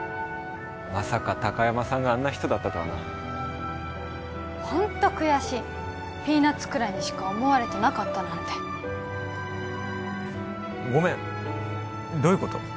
まさか高山さんがあんな人だったとはなホント悔しいピーナツくらいにしか思われてなかったなんてごめんどういうこと？